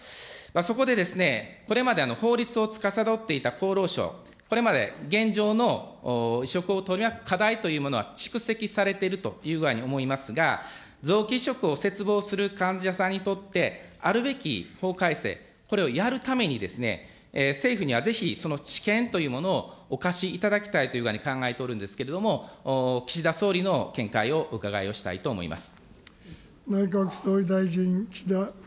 そこでですね、これまで法律をつかさどっていた厚労省、これまで現状の移植を取り巻く課題というものは蓄積されているという具合に思いますが、臓器移植を切望する患者さんにとって、あるべき法改正、これをやるためにですね、政府にはぜひ、その知見というものをお貸しいただきたいという具合に考えておるんですけれども、岸田総理の見解を伺いをしたいと思います。